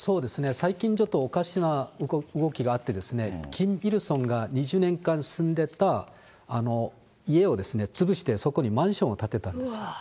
最近ちょっとおかしな動きがあって、キム・イルソンが２０年間住んでた家を潰して、そこにマンションを建てたんです。